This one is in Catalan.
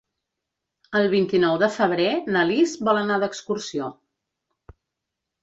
El vint-i-nou de febrer na Lis vol anar d'excursió.